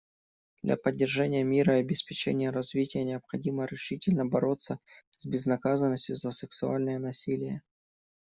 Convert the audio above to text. Для поддержания мира и обеспечения развития необходимо решительно бороться с безнаказанностью за сексуальное насилие.